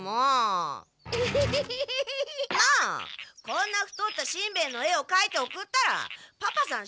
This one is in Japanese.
こんな太ったしんベヱの絵をかいて送ったらパパさん